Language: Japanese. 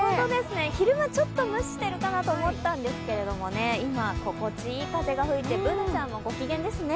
昼間、ちょっと蒸しているかなと思ったんですけれども、今心地いい風が吹いてＢｏｏｎａちゃんもご機嫌ですね。